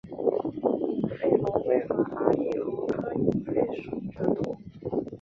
隐肺螺为阿地螺科隐肺螺属的动物。